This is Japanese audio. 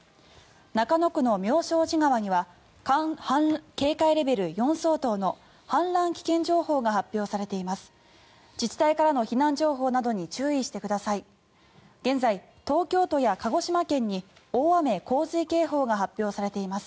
中野区の妙正寺川には警戒レベル４相当の氾濫危険情報が発表されています。